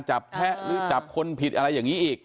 แพะหรือจับคนผิดอะไรอย่างนี้อีก